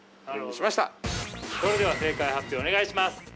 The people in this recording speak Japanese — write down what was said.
◆それでは正解発表、お願いします。